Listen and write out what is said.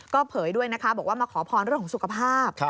ก็เผยด้วยนะคะบอกว่ามาขอพรเรื่องของสุขภาพ